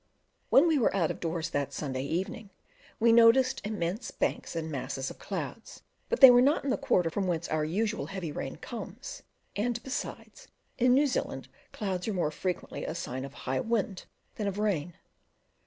When we were out of doors that Sunday evening, we noticed immense banks and masses of clouds, but they were not in the quarter from whence our usual heavy rain comes; and besides, in New Zealand clouds are more frequently a sign of high wind than of rain.